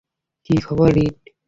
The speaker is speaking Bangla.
কী খবর, রীড?